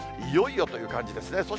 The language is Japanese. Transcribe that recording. いよいよという感じですね。